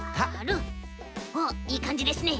おっいいかんじですね。